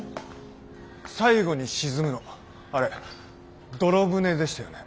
最後に沈むのあれ泥船でしたよね。